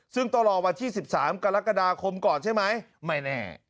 ซึ่งตลอดวันที่๑๓กรกฎาคมก่อนใช่ไหม